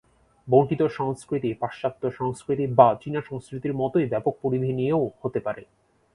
বণ্টিত সংস্কৃতি পাশ্চাত্য সংস্কৃতি বা চীনা সংস্কৃতির মতই ব্যাপক পরিধি নিয়েও হতে পারে।